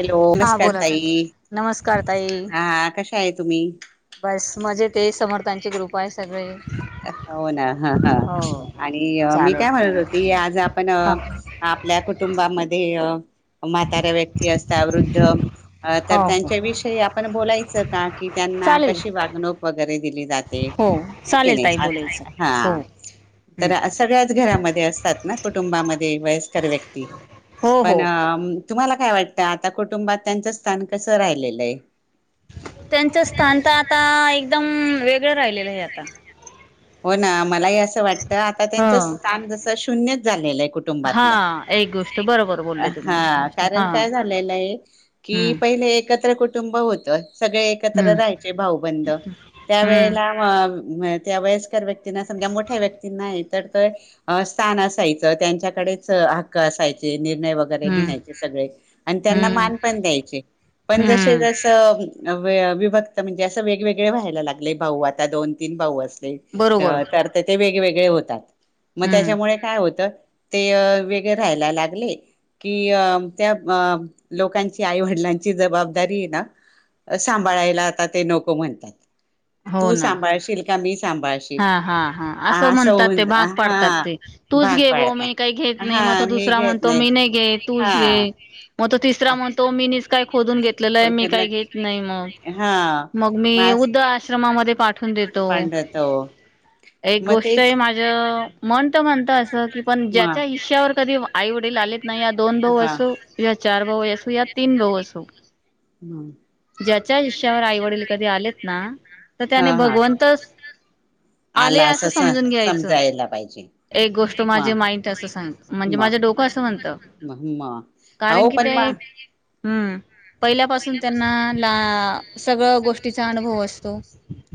Hello हा नमस्कार बोला ताई त नमस्कार ताई. हा कशा आहे तुम्ही बस मजे ते समर्थांचे कृपा आहे. सगळे हो ना ह हा हो आणि मी चालेल काय म्हणत होती. आज आपण हा आपल्या कुटुंबामध्ये म्हातऱ्या व्यक्ती असत वृद्ध, अ हो तर हो त्यांच्याविषयी आपण बोलायचं का? की त्यांना चालेल कशी वागणूक वगैरे दिली जाते. हो हे की चालेल ताई बोलायचं नाही हो हा. हम्म तर सगळ्याच घरामध्ये असतात. ना कुटुंबामध्ये वयस्कर व्यक्ती हो पण हो तुम्हाला काय वाटतं आता कुटुंबात त्यांचं स्थान कसं राहिलेलं आहे? त्यांचं स्थान तर आता एकदम वेगळं राहिलेलं आहे. आता हो ना. मला असं वाटत आता हा त्यांच स्थान जस शून्यच झालेलं. आहे हा कुटुंबातलं एक गोष्ट बरोबर बोलले तुम्ही एक हा गोष्ट कारण हा काय झालेलं आहे. की हम्म पहिले एकत्र कुटुंब होत. एकत्र हम्म राहायचे भाऊबंद हम्म त्यावेळेला व याळे व्यक्तीना समजा मोठ्या व्यक्तींना नाही. तर स्थान असायचं त्यांच्याकडेच हक्क असायचे. निर्णय वगैरे हम्म घेण्यायचे सगळे, आणि त्यांना हम्म मान पण द्यायचे पण! जसे हम्म जसं. विभक्त म्हणजे असं वेगवेगळे व्हायला लागले. भाऊ आता दोन, तीन भाऊ असले. बरोबर तर तर तर ते वेगवेगळे होतात. मग हम्म त्याच्यामुळे काय होतं? ते वेगळे राहायला लागले. कि अ त्या अ लोकांची आईवडिलांची जबाबदारी ना? सांभाळायला आता ते नको म्हणतात. हो तू ना सांभाळशील का, मी सांभाळ. हा. हा. हा असं म्हणतात. ते भाग पाडतात हा ते तूच भाग घे बो पाडता मी काही घेत नाही. हा मग त मी दुसरा घेत म्हणतो मी नाही घेत तूच हा घे मग तो तिसरा म्हणतो मी काय खोून घेत. म्हटलेलं मी काही घेत नाही. म हा मग मी उद आश्रमा मध्ये पाठवून देतो पांडत ओ. एक गोष्ट हे माझ मन त म्हणत असं. की पण म ज्याच्या हिशश्यावर कधी आई वडील आलेत ना या दोन भाऊ, हा असो चार भाऊ असू, या तीन भाऊ असू हम्. ज्याच्या आुष्यावर आई वडील कधी आलेत ना? तर त्याने हा हा भगवंतच आले असं समजून घ्यायचं. समजायला पाहिजे एक गोष्ट म माझे माइंड असं सांग म्हणजे म माझं डोकं असं म्हणत. म अहो पण म पहिल्यापासून त्यां आप ला सगळं गोष्टीचा अनुभव असतो.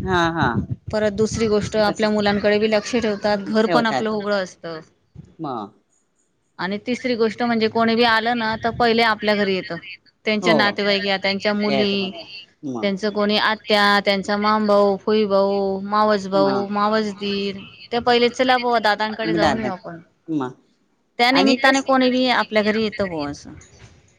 हा हा परत दुसरी गोष्ट आपल्या मुलांकडे बी लक्ष ठेवतात. घर पण आपलं होगळं असत. [inaudible] [inaudible] आणि तिसरी गोष्ट म्हणजे कोणी बी आलं ना, तर पहिले. आपल्या घरी येत. त्यांच्या हो नातेवाईक त्यांच्या येत मुली, म त्यांचं कोणी आत्या त्यांचा मामभऊ, फुई भाऊ, मावज म भाऊ, मावजदीर त्या पहिली चला भो दादांकडे जाऊन म येऊ आपण. म त्या आणि निमित्ताने कस कोणी बी आपल्या घरी येतं ग असं!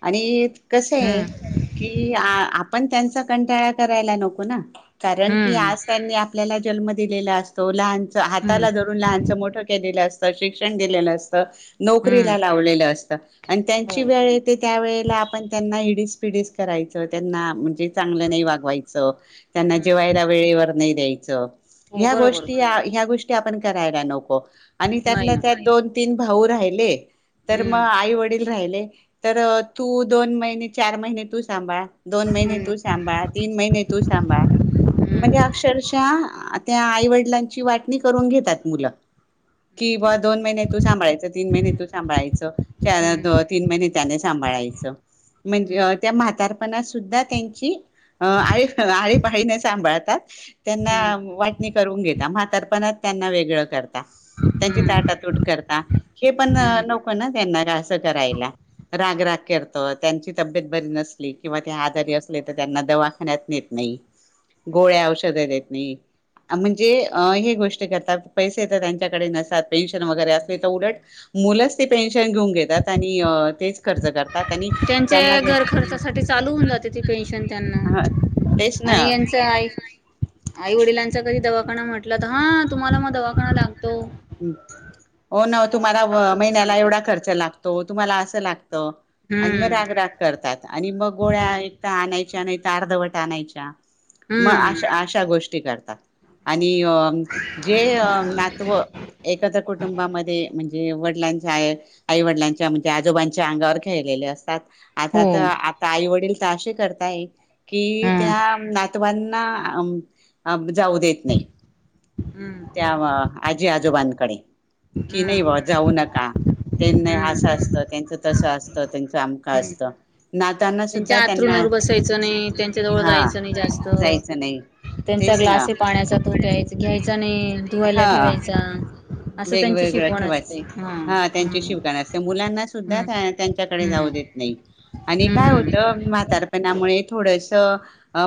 आणि कसं आहे. हम्म की आपण त्यांचा कंटाळा करायला नको ना? कारण की हम्म आज त्यांनी आपल्याला जन्म दिलेला. असतो लहान हम्म हाताला धरून लहानच मोठं केलेलं असतं, शिक्षण दिलेलं असत, हम्म नोकरीला लावलेलं असत. आणि हो त्यांची वेळ येत त्यावेेळेला आपण त्यांना हिडीस पिडीस करायचं, त्यांना म्हणजे चांगलं नाही वागवायचं. त्यांना हम्म जेवायला वेळेवर नाही द्यायचं, हो ह्या बरोबर गोष्टी ह्या गोष्टी ते आपण करायला नको, आणि त्यात नाही ना त्यात दोन तीन भाऊ राहिले. तर मग हम्म आई वडील राहिले. तर तू दोन महिने, चार महिने, तू सांभाळ... दोन महिने हम्म तू सांबाळ, तीन महिने तू सांभळ, म्हणजे हम्म अक्षरशः त्या आईवडिलांची वाटणी करून घेतात मुलं कि बा दोन महिने तू सांभाळायचं तीन महिने तू सांभाळायचं हम्म च तीन महिने त्या सांभाळायच हम्म म्हणजे त्या म्हातार सुद्धा त्यांची आ आळीपाळीने सांभाळतात त्यांना हम्म वाटणी करून घेता म्हातर्पणात त्यांना वेगळं करत त्यांची हम्म ताटातूट करता हे पण हम्म नको ना त्यांना असं करायला रागराग करतो त्यांची तब्येत बरी नसली किंवा ते आजारी असले तर त्यांना दवा खण्यातेत नाही गोळ्या औषध देत नाही म्हणजे हे गोष्ट करतात पैसे तर त्यांच्याकडे नसतात पेन्शन वगैरे असले तर उलट मुलंच ते पेन्शन घेऊन घेतात आणि तेच खर्च करत त्यां त्यांचे घर त्यांना खर्चासाठी चालू होऊन जाते ती पेन्शन त्यांना हा तेस ना आणि यांचं आई आई वडिलांचा कधी दवाखाना म्हटला तर हा तुम्हाला मग दवाखाना लागत ह् हो ना तुम्हाला दवाखाना लागतो असं महिन्याला सांगतात एवढा खर्च लागतो तुम्हाला असं लागत आणि मग हम्म रागराग करतात आणि मग गोळ्या हम्म एकदा आणायच्या नाही तर अर्धवट आणायच्या मग हम्म अश अशा गोष्टी करता आणि आणि जे नातवं एखाद्या कुटुंबामध्ये म्हणजे वडलांच्या आई वडिलांच्या म्हणजे आजोबांच्या अंगावर खेळलेले असतात हो आता तर आता आई वडील तर असे करताय कि हम्म त्या ना जाऊ देत नाही हम्म त्या आजोबांकडे की हम्म नाही बा जाऊ नका त्यां असं हम्म असत तेच तसं असतं त्यांचं आमखं हम्म असतं नाताना त्यांच्या सुद्धा त्यांना आतरुणावर बसायचं नाही त्यांच्या जवळ हा जायचं नाही जास्त जायचं नाही त्यांचा तेच ना ग्लास पाण्याचा तूप्याय घ्यायचा नाही धुवायला ठेवायचा असं त्यांची वेगवेगळ शिकवण ठेवाय असते हा त्यांचे हम्म शिकवण असते मुलांना सुद्धा त्यांच्याकडे जाऊ हम्म देत नाही आणि काय हम्म होतं म्हात्तारपणामुळे थोडस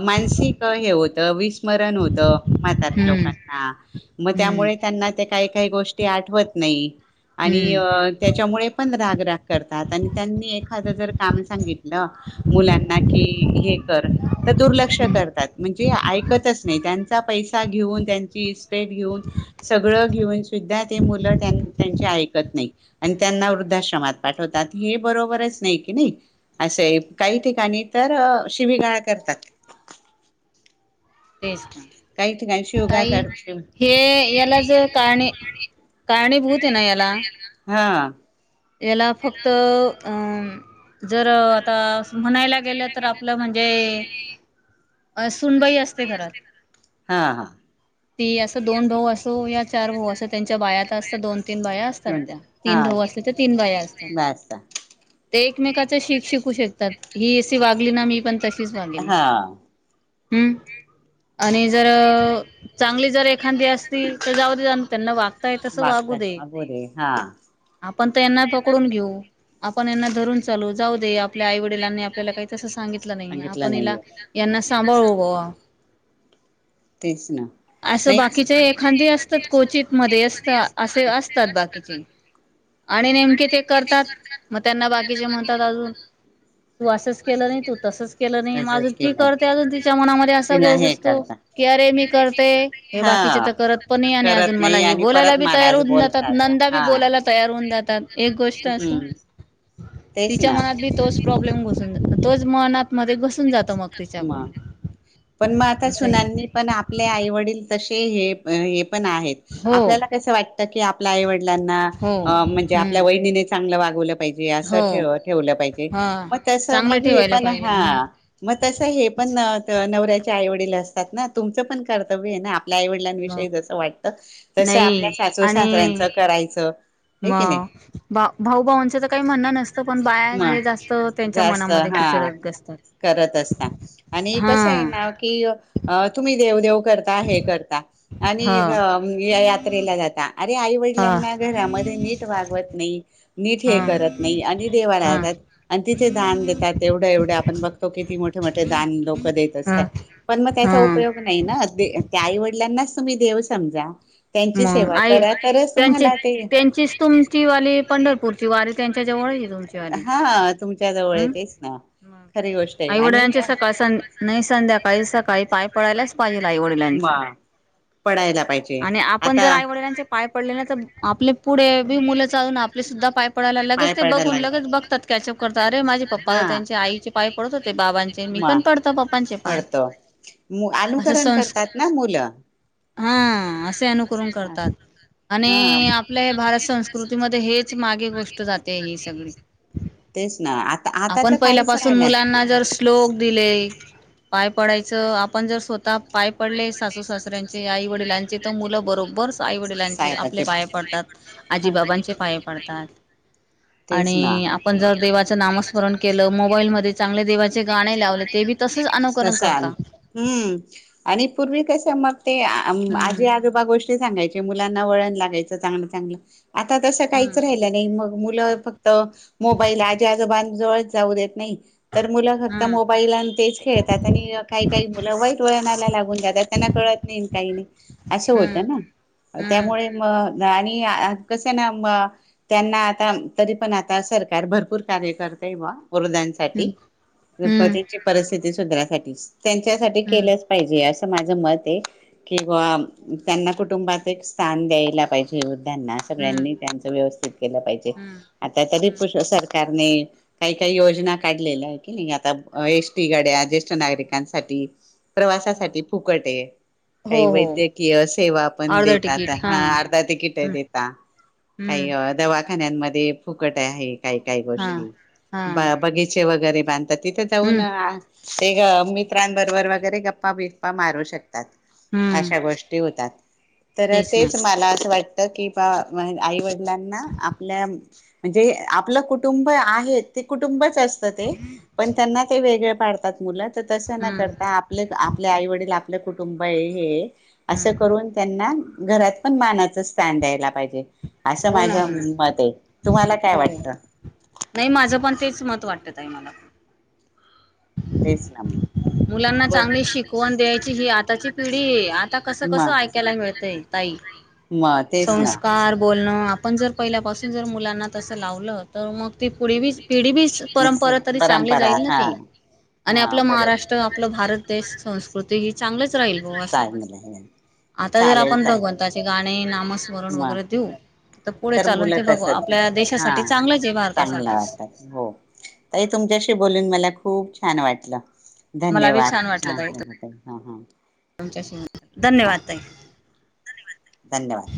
मानसिक हे होतं वि मरण होत म्हातारी हम्म हम्म लोकांना मग त्यामुळे हम्म त्यांना ते काही काही गोष्टी आठवत नाही आणि हम्म त्याच्यामुळे पण रागराग करतात आणि त्यांनी एखाद जर काम सांगितल मुलांना की हे कर तर दुर्लक्ष हम्म करतात म्हणजे यांचा पैसा घेवून यांची इस्टेट घेवून सगळ घेवून सुद्धा ते मुले त्यांचे ऐकत नाही आणि त्यांना वृद्धाश्रमात पाठवतात हे बरोबरच नाही की नाही असे काही ठिकाणी तर शिवीगाळ करतात [unintelligible] तेच ना काही ठिकाणी शिवगा ताई कर हे याला ज काणे कारणी भूत आहे ना याला हा याला फक्त अं जर आता म्हणायला गेलं तर आपलं म्हणजे अ सुनबाई असते घरात हा हा ती असं दोन भाऊ असो या चार भाऊ अस त्यां बायात असत दोन तीन बाया असतात त्या तीन हा भाऊ असले तीन बाया असतात बसता ते एकमेकाच शीक शिकू शकतात ही अशी वागली ना मी पण तशीच वागेन हा हम्म आणि जर चांगली जर एखादी असती तर जाऊ जा त्यांना वाग वागता ह बोरे हा. पण यांना पकडून घेऊ आपण यांना धरून चालू जाऊ दे आपल्या आई वडिलांनी आपल्याला काही तसं सांगितलं नाही सांगितलं आपण हिला नाहीये यांना सांभाळू [unintelligible] तेच ना. असं नाही बाकीचे एखादी असतात कोचित मध्ये असत असे असतात बाकीचे. [inaudible] आणि नेमके ते करतात मग त्यांना बाकीचे म्हणतात अजून तू असंच केलं नाही तू तसंच केलं नाही अजून तसच ती केलं करते अजून तिच्या मनामध्ये असा तिला गोळ हे घुसतो. करता. की अरे मी करते हे बाकीचे हा तर करत पण आणि अजून करत मला नाही हे आणि बोलायला परत बी तयार मलाच होऊन जातात. बोलतात यंदा बी हा बोलायला तयार होऊन जातात एक गोष्ट असं हम्म तेच तिच्या ना मनात बी तोच प्रॉब्लेम घसून जातो तोच मनात मध्ये घसून जातो. मग तिच्याकडून पण मग आता असंही सुनांनी पण आपले आईवडील तसे ते हे हे पण आहेत. हो आपल्या कसं वाटतं की आपल्या आवडलांना हो म्हणजे हम्म आपल्या वहिनीनेच चांगलं वागवलं पाहिजे असं हो ठ ठेवलं पाहिजे हा मग तस चांगलं मग हे ठेवायला पण पाहिजे मग हा. मग तसं हे पण नवऱ्याच्या आईवडील असतात ना तुमचं पण कर्तव्य आहे ना आपल्या मग आईवडिलांविषयी जसं वाटतं तस आपल्या नाही सासू आणि सासऱ्यांचं करायचं. हे की नाही मग भा भाऊ भाऊंचं तर काही म्हणणं नसतं पण बाया हे जास्त मग त्यांच्या जास्त मनामध्ये हा चरक असतात. करत असता आणि कस आहे हा. ना की तुम्ही देव देेव करता हे करता आणि हा यात्रेला जाता अरे आई हा वडिलांना घरामध्ये नीट वागवत नाही. नीट हे हा करत नाही आणि देवाला हा यतात आणि तिथे दान देतात एवढं एवढ्या आपण बघ किती मोठं मोठं दाण लोकं देत हा असता, पण मग त्याचा हा. उपयोग नाही ना त्या आई वडिलांना च तुम्ही देव समजा. त्यांची मग सेवा आई करा तरच त्यांची तुम्हाला ते त्यांचीच तुमची वाली पंढरपूरची वारी त्यांची त्याच्याजवळ हा तुमच्या जवळय तेच ना. खरी गोष्ट आहे आई आणि वडिलांची त्या सकाळी संध्या नाही संध्याकाळी सकाळी पाय पडायलाच पाहिजे आई वडिलां पडायला पाहिजे आ चे आई वडिलांचे पाय पडले तर आपले पुढे बी मुलं चालून आपले सुद्धा पाय पडायला पाय लगेच ते पडायला बघून लागला लगेच बघतात कॅचअप करता अरे माझे पप्पा हा त्यांचे आईचे पाय पडत होते बाबांचे मी म पण पडतो पप्पांचे पाय. पडतो बाबा असं अनुकरण संस् करतात ना मुलं. हा असे अनुकरण करतात आणि आपल्या भारत संस्कृतीमध्ये हे च ही मागे गोष्ट जाते ही सगळी. तेच ना आता आता आपण तर पहिल्या काहीच पाासून राहिला नाही. मुलांना जर श्लोक दिले. पाय पडायचं आपण जर स्वतः पाय पडले सासू सासऱ्यांचे आई वडिलांचे तर मुलं बरो बरच आई वडिलांचे आपले साहेबाचे पाय पडतात, हा आजीबाबांचे पाय पडतात. तेच ना. आणि आपण जर देवाचं नामस्मरण केलं मोबाईलमध्ये चांगल्या देवा करता तसान हम्म, आणि पूर्वी कस मग ते हम्म आजी आजोबा गोष्टी सांगायचे मुलांना वळण लागायचं चांगलं चांगलं. आता तसं काहीच हम्म राहिलं नाही मग मुलं फक्त मोबाईल आजी आजोबान जवळ जाऊ देत नाही तर मुलं फ त हम्म मोबाईल आणि तेच खेळतात. आणि काही काही मुलं वाईट वळणाला लागून जातात त्यांना कळत नाही काही नाही. असं होत ना? हम्म त्यामुळे म आणि कसय ना? म त्यांना आता तरी पण आता सरकार भरपूर कार्य कर तय बा. वृद्धानसाठी हम्म हम्म हम्म [unintelligible] परिस्थिती सुधारायसाठी. त्यांच्यासाठी हम्म केलंच पाहिजे. असं माझ- मत आहे. कि बुवा त्यांना कुटुंबात एक स्थान द्यायला पाहिजे. त्याना. हम्म सगळ्यांनी त्यांच व्यवस्थित केल पाहिजे. हम्म आता हम्म [unintelligible] कारनी काही काही योजना काढलेल्या आहे की नाही? आता एसटी गाड्या ज्येष्ठ नागरिकांसाठी प्रवासासाठी फुकट आहे. हो काही हो वैद्यकीय सेवा पण अर्ध देतात. तिकीट हा हां हम्म अर्धा तिकिट देता. काही हम्म [unintelligible] खाण्यानं मधे फुकट आहे काही काही हा गोष्टी. हा बगीचे वगैरे बांधतात- तिथे जाऊन हम्म ते मित्रांबरोबर वगैरे गप्पा बिप्पा मारू शकतात. हम्म अशा गोष्टी होतात. तर तेच मला असं वाट- त की बा आई वडिलांना आपल्या म्हणजे आपलं कुटुंब आहेत- ते कुटुंबच असतं ते. पण त्यांना ते वेगळे पाडतात मुलं- तर तसं न हम्म करता आपले आपले आई वडील आपले कुटुंब हे- असं हम्म करून त्यांना घरात पण मानाचं स्थान द्यायला पाहिजे. असं हो ना हो माझं ना मत आहे. तुम्हाला काय हो वाटत? नाही माझं पण तेच मत वाटत ताई मला. तेच ना म. मुलांना चांगली शिकवण द्यायची. ही आताची पिढीए. आता कसं कसं ऐकायला मिळतय- म म तेच ना संस्कार बोलणं आपण जर- पहिल्यापासून जर मुलांना तसं लावलं तर मग ते पुढे बी - पिढी बी मिक्स परंपरा तरी चांगली परंपरा जाईल न हा ती? आणि हा आपलं बरोबर. महाराष्ट्र- आपलं भारत देश संस्कृती ही चांगलीच- चांग आहे. हं. आता जर आपण भगवंताचे गाणे नामस्मरण मग वगैरे देऊ- तर पुढे चालून मुलं ते बघू. तसच आहे आपल्या हा देशासाठी चांगलंच आहे चांगलं भारतासाठीच- वाटत हो. ताई तुमच्याशी बोलून मला खूप छान वाटलं. मला बी धन्यवाद. हम हा. आमच्याशी. हा धन्यवाद ताई. धन्यवाद.